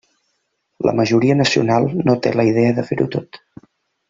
La majoria nacional no té la idea de fer-ho tot.